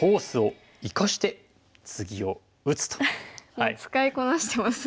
もう使いこなしてますね。